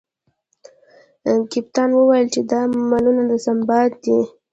کپتان وویل چې دا مالونه د سنباد دي.